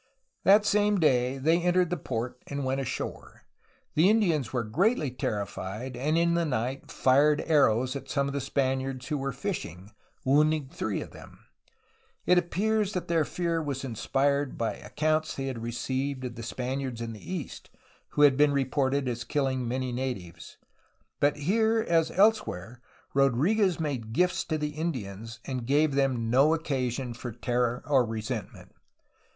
That same day they entered the port and went ashore. The Indians were greatly terrified, and in the night fired arrows at some Spaniards who were fishing, wounding three of them. It appears that their fear was inspired by ac counts they had received of the Spaniards in the east, who had been reported as killing many natives. But here as else where Rodriguez made gifts to the Indians, and gave them 78 A HISTORY OF CALIFORNIA no occasion for terror or resentment.